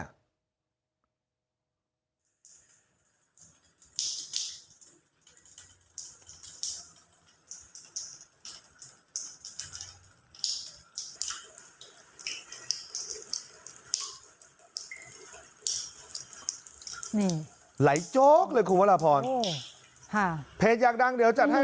นี่ไหลโจ๊กเลยคุณพระราพรโอ้ค่ะเพจอยากดังเดี๋ยวจัดให้